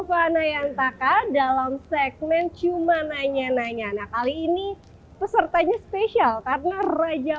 dikentangkan dalam segmen cuma nanya nanya kali ini pesertanya spesial karena raja